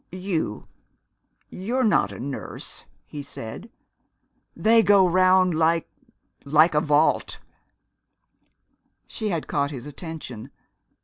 "You you're not a nurse," he said. "They go around like like a vault " She had caught his attention!